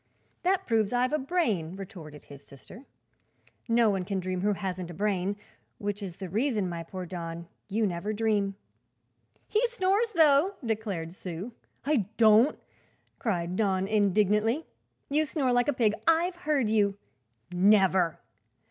"That proves I've a brain," retorted his sister. "No one can dream who hasn't a brain; which is the reason, my poor Don, you never dream." "He snores, though," declared Sue. "I don't!" cried Don indignantly. "You snore like a pig; I've heard you." "Never!"